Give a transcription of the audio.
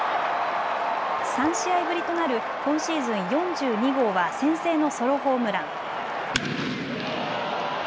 ３試合ぶりとなる今シーズン４２号は先制のソロホームラン。